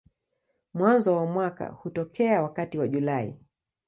Mwanzo wa mwaka hutokea wakati wa Julai.